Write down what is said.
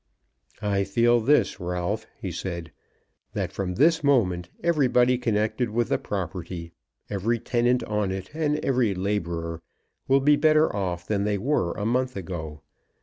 "I feel this, Ralph," he said; "that from this moment everybody connected with the property, every tenant on it and every labourer, will be better off than they were a month ago.